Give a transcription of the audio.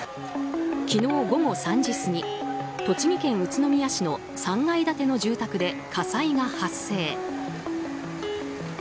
昨日午後３時過ぎ栃木県宇都宮市の３階建ての住宅で火災が発生。